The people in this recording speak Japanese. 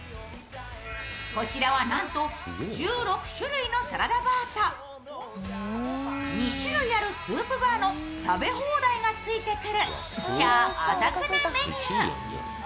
こちらはなんと１６種類のサラダバーと２種類あるスープバーの食べ放題がついてくる超お得なメニュー。